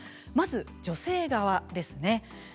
まず女性側です。